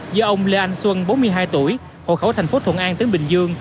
do ông lê anh xuân bốn mươi hai tuổi hộ khẩu thành phố thuận an tỉnh bình dương